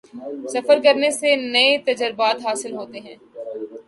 سفر کرنے سے نئے تجربات حاصل ہوتے ہیں